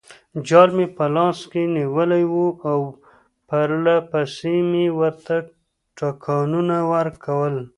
جال مې په لاس کې نیولی وو او پرلپسې مې ورته ټکانونه ورکول.